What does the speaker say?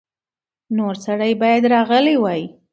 نور سړي باید راغلي وای.